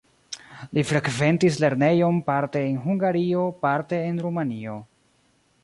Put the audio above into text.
Li frekventis lernejon parte en Hungario, parte en Rumanio.